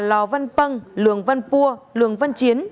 lò văn pâng lường văn pua lường văn chiến